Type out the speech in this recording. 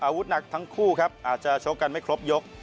หนักทั้งคู่ครับอาจจะชกกันไม่ครบยก